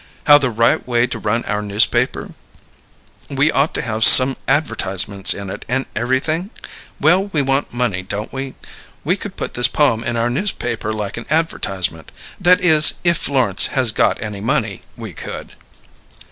"How the right way to run our newspaper, we ought to have some advertisements in it and everything? Well, we want money, don't we? We could put this poem in our newspaper like an advertisement; that is, if Florence has got any money, we could."